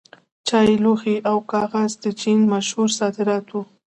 چای، لوښي او کاغذ د چین مشهور صادرات وو.